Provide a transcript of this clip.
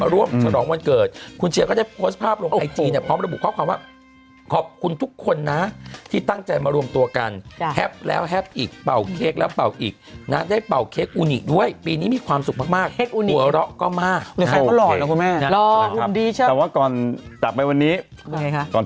เรียกได้ว่าเป็นช่วงแฮปปี้สุดของเชียร์